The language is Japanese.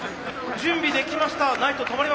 準備できました！